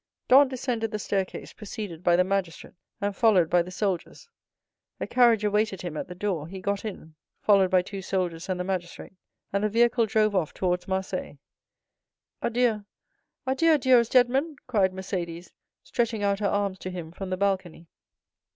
Dantès descended the staircase, preceded by the magistrate, and followed by the soldiers. A carriage awaited him at the door; he got in, followed by two soldiers and the magistrate, and the vehicle drove off towards Marseilles. "Adieu, adieu, dearest Edmond!" cried Mercédès, stretching out her arms to him from the balcony.